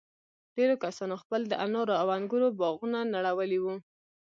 ډېرو کسانو خپل د انارو او انگورو باغونه نړولي وو.